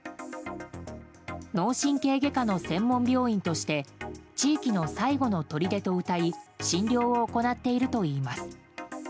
脳神経外科の専門病院として地域の最後のとりでとうたい診療を行っているといいます。